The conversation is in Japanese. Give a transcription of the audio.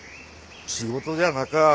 仕事じゃなか。